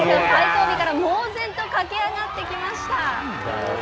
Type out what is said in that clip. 最後尾から猛然と駆け上がってきました。